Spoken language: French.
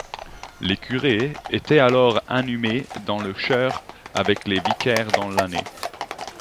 Les curés étaient alors inhumés dans le chœur et les vicaires dans la nef.